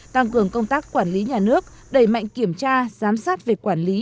tăng cường công tác quản lý nhà nước đẩy mạnh kiểm tra giám sát về quản lý